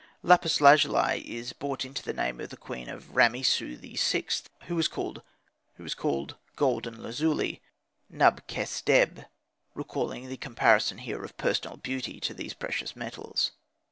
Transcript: Lapis lazuli is brought in to the name of the queen of Ramessu VI., who was called "gold and lazuli," Nub khesdeb; recalling the comparison here of personal beauty to these precious materials.